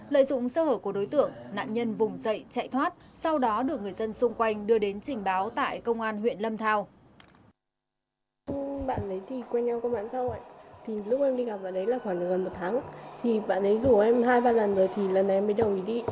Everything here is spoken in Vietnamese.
lợi dụng sơ hở của đối tượng nạn nhân vùng dậy chạy thoát sau đó được người dân xung quanh đưa đến trình báo tại công an huyện lâm thao